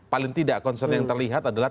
paling tidak concern yang terlihat adalah